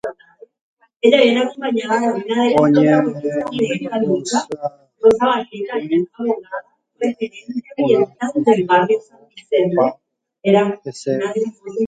Oñembosako'i ha pya'e porã osẽ ohopa heseve.